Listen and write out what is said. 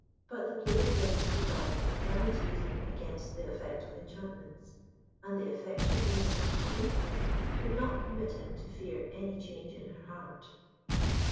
But the plume of lilies of the valley guaranteed him against the effect of enchantments, and the affection Imis entertained for him would not permit him to fear any change in her heart.